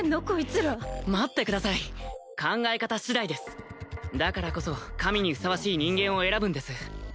こいつら待ってください考え方次第ですだからこそ神にふさわしい人間を選ぶんです